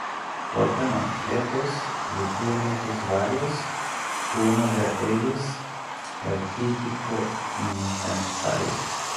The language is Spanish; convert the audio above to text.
Portan objetos litúrgicos varios, uno de ellos el típico incensario.